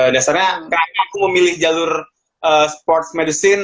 dasarnya aku memilih jalur sports medicine